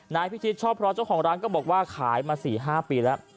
นายพิชิตชอบเพราะเจ้าของร้านก็บอกว่าขายมา๔๕ปีแล้ว